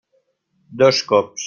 Dos cops.